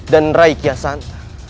dan rai kiasanta